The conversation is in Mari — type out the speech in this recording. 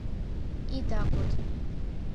«Ида код